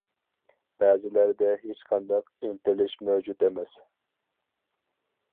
بەزىلەردە ھېچ قانداق ئىنتىلىش مەۋجۇت ئەمەس.